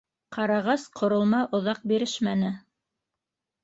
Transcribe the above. Ҡарағас ҡоролма оҙаҡ бирешмәне.